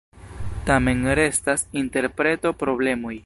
Tamen restas interpretoproblemoj.